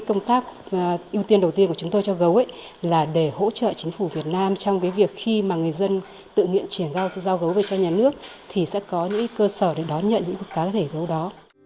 công tác ưu tiên đầu tiên của chúng tôi cho gấu là để hỗ trợ chính phủ việt nam trong cái việc khi mà người dân tự nguyện chuyển giao gấu về cho nhà nước thì sẽ có những cơ sở để đón nhận những cá thể gấu đó